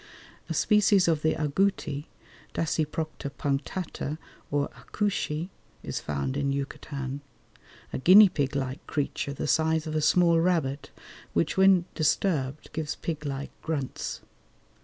A species of the agouti (Dasyprocta punctata or acouchy) is found in Yucatan, a guinea pig like creature, the size of a small rabbit, which when disturbed gives pig like grunts.